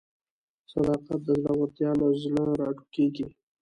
صداقت د زړورتیا له زړه راټوکېږي.